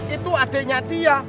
itu adiknya dia